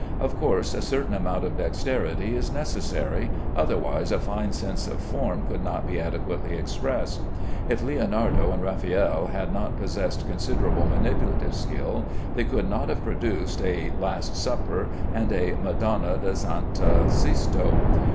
Of course a certain amount of dexterity is necessary, otherwise a fine sense of form could not be adequately expressed. If Leonardo and Raffaelle had not possessed considerable manipulative skill, they could not have produced a "Last Supper" and a "Madonna de S. Sisto."